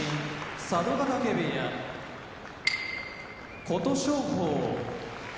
佐渡ヶ嶽部屋琴勝峰